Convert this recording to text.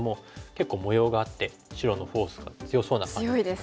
結構模様があって白のフォースが強そうな感じですよね。